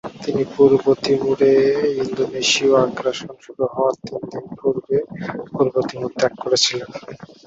তিনি পূর্ব তিমুরে ইন্দোনেশীয় আগ্রাসন শুরু হবার তিন দিন পূর্বে পূর্ব তিমুর ত্যাগ করেছিলেন।